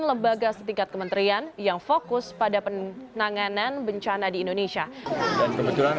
lembaga setingkat kementerian yang fokus pada penanganan bencana di indonesia dan kebetulan